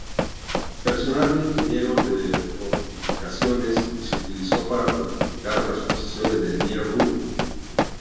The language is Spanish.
Personal de Ingenieros de Fortificaciones y se utilizó para fortificar las posiciones de Nier-Rur.